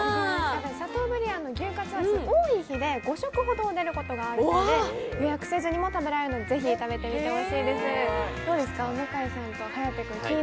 シャトーブリアンの牛カツは多い日で５食ほど売れることがあるので、予約せずにも食べられるので、ぜひ食べてほしいと思います。